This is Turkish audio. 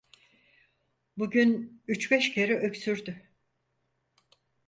Bugün üç beş kere öksürdü.